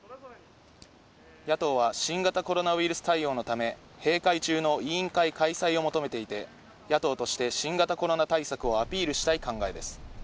野党は新型コロナウイルス対応のため、閉会中の委員会開催を求めていて、野党として新型コロナ対策をアピールしたい考えです。